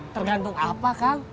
tergantung apa kang